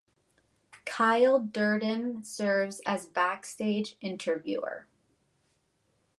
Kyle Durden serves as backstage interviewer.